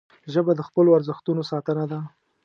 ژبه د خپلو ارزښتونو ساتنه ده